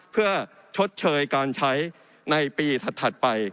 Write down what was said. เพื่อชดเชยการใช้ในปีถัดไป